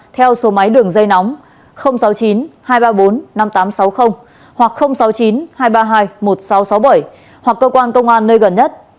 theo số máy đường dây nóng sáu mươi chín hai trăm ba mươi bốn năm nghìn tám trăm sáu mươi hoặc sáu mươi chín hai trăm ba mươi hai một nghìn sáu trăm sáu mươi bảy hoặc cơ quan công an nơi gần nhất